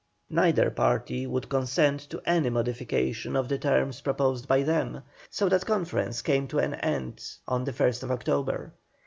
Neither party would consent to any modification of the terms proposed by them, so the conference came to an end on the 1st October.